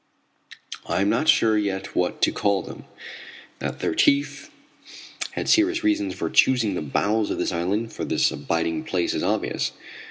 I am not sure yet what to call them. That their chief had serious reasons for choosing the bowels of this island for his abiding place is obvious.